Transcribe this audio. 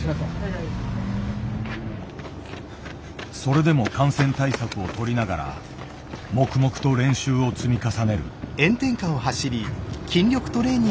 それでも感染対策をとりながら黙々と練習を積み重ねる。